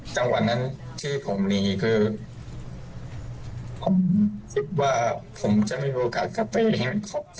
อยากกลับบ้านของคุณเอง